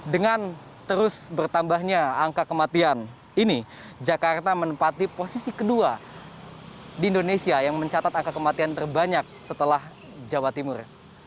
dengan terus bertambahnya angka kematian ini jakarta menempati posisi kedua di indonesia yang mencatat angka kematian terbanyak setelah jawa timur